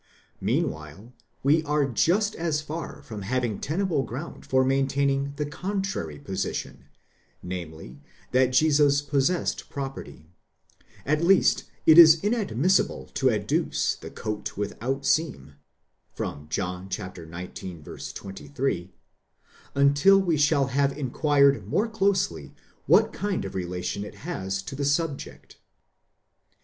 Mean while we are just as far from having tenable ground for maintaining the con trary proposition, namely, that Jesus possessed property: at least itis inadmis sible to adduce the coat without seam 14 (John xix. 23), until we shall have inquired more closely what kind of relation it has to the subject.